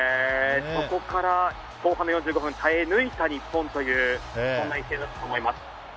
そこから後半の４５分耐え抜いた日本という一戦だったと思います。